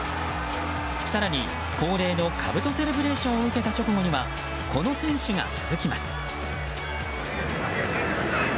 更に、恒例のかぶとセレブレーションを受けた直後にはこの選手が続きます。